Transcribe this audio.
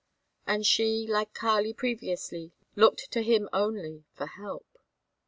And she, like Kali previously, looked to him only for help.